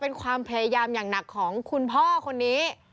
เป็นความพยายามอย่างหนักของคุณพ่อคนนี้